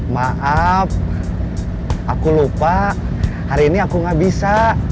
maaf aku lupa hari ini aku gak bisa